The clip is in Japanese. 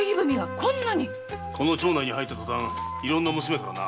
この町内に入ったとたんいろんな娘からな。